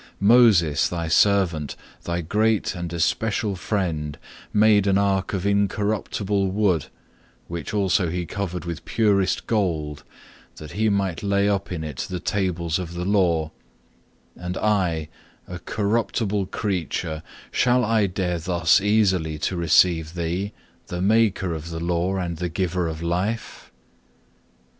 Moses, Thy servant, Thy great and especial friend, made an ark of incorruptible wood, which also he covered with purest gold, that he might lay up in it the tables of the law, and I, a corruptible creature, shall I dare thus easily to receive Thee, the Maker of the Law and the Giver of life?